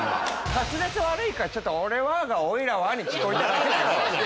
滑舌悪いからちょっと「俺は」が「オイラは」に聞こえただけだよ！